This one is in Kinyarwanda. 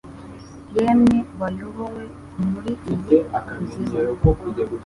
Yemwe bayobowe muri iyi kuzimu